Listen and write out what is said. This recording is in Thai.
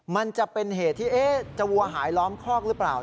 มันจะเป็นเหตุที่จะวัวหายล้อมคอกหรือเปล่า